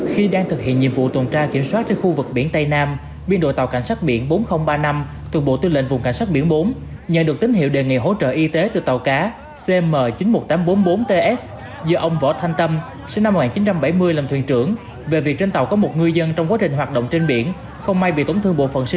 khi đang thực hiện nhiệm vụ tuần tra kiểm soát trên khu vực biển tây nam biên đội tàu cảnh sát biển bốn nghìn ba mươi năm thuộc bộ tư lệnh vùng cảnh sát biển bốn nhận được tín hiệu đề nghị hỗ trợ y tế từ tàu cá cm chín mươi một nghìn tám trăm bốn mươi bốn ts do ông võ thanh tâm sinh năm một nghìn chín trăm bảy mươi làm thuyền trưởng về việc trên tàu có một ngư dân trong quá trình hoạt động trên biển không may bị tổn thương bộ phận